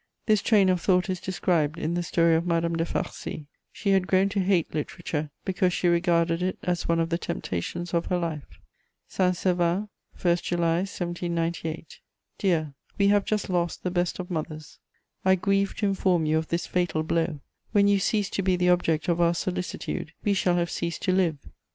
This train of thought is described in the story of Madame de Farcy; she had grown to hate literature, because she regarded it as one of the temptations of her life. "SAINT SERVAN, 1 July 1798. "Dear, we have just lost the best of mothers: I grieve to inform you of this fatal blow. When you cease to be the object of our solicitude, we shall have ceased to live.